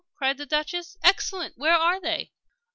cried the Duchess. "Excellent! Where are they?"